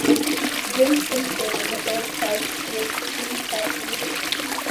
Jim Simpson and Herb Hess were the team captains.